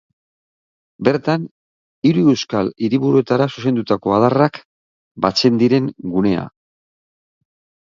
Bertan hiru euskal hiriburuetara zuzendutako adarrak batzen diren gunea.